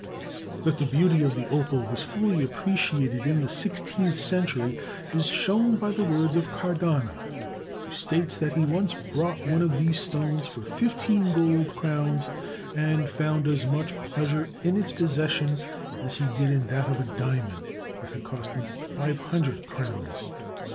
That the beauty of the opal was fully appreciated in the sixteenth century is shown by the words of Cardano, who states that he once bought one of these stones for fifteen gold crowns and found as much pleasure in its possession as he did in that of a diamond that had cost him five hundred crowns.